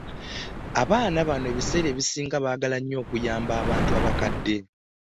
Abaana bano ebiseera ebisinga baagala nnyo okuyamba abantu abakadde.